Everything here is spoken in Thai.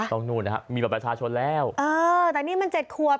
นู่นนะฮะมีบัตรประชาชนแล้วเออแต่นี่มันเจ็ดขวบ